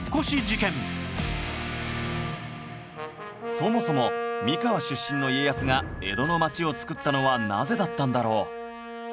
そもそも三河出身の家康が江戸の街をつくったのはなぜだったんだろう？